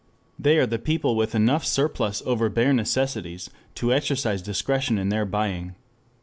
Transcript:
They are the people with enough surplus over bare necessities to exercise discretion in their buying.